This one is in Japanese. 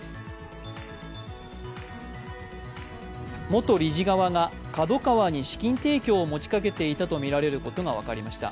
元理事側がＫＡＤＯＫＡＷＡに資金提供を持ちかけていたとみられることが分かりました。